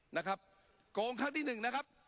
นะครับโกงครั้งที่หนึ่งนะครับ